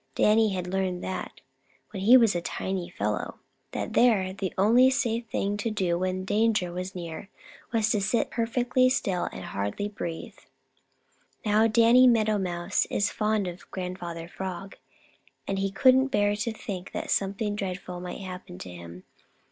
Danny had learned, when a very tiny fellow, that there the only safe thing to do when danger was near was to sit perfectly still and hardly breathe. Now Danny Meadow Mouse is fond of Grandfather Frog, and he couldn't bear to think that something dreadful might happen to him.